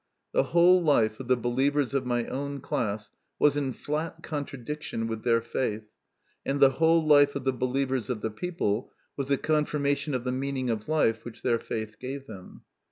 The whole life of the believers of my own class was in flat contradiction with their faith, and the whole life of the believers of the people was a confirmation of the meaning of life which their faith gave them.